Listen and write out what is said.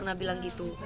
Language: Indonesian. saya pernah bilang gitu